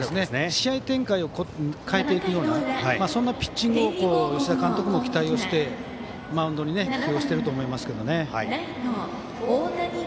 試合展開を変えていくようなピッチングを吉田監督も期待してマウンドに起用していると思います。